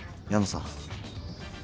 矢野さん。